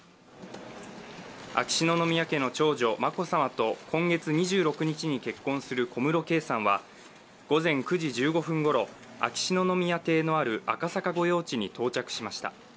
秋篠宮家の長女・眞子さまと今月２６日に結婚する小室圭さんは午前９時１５分頃、秋篠宮邸のある赤坂御用地に到着しました。